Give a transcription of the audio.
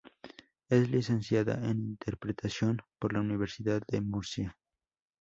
Es licenciada en interpretación por la Universidad de Murcia.